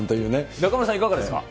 中丸さん、いかがですか。